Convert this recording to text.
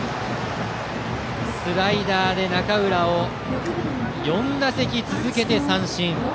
スライダーで中浦を４打席続けて三振。